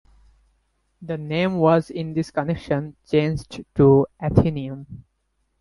The name was in this connection changed to Atheneum.